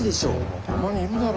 たまにいるだろ。